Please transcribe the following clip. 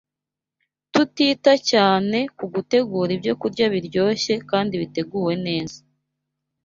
tukita cyane ku gutegura ibyokurya biryoshye kandi biteguwe neza